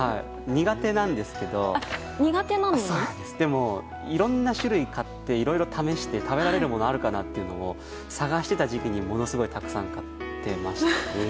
苦手なんですけどいろいろな種類を買っていろいろ試して食べられるものがあるかなって探していた時期にものすごいたくさん買っていましたね。